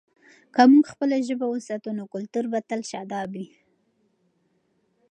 که موږ خپله ژبه وساتو، نو کلتور به تل شاداب وي.